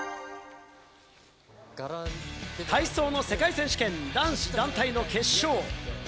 体操の世界選手権男子団体の決勝。